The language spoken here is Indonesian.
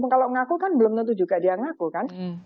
kalau ngaku kan belum tentu juga dia ngaku kan